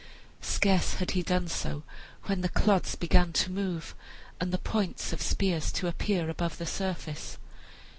Scarce had he done so when the clods began to move, and the points of spears to appear above the surface.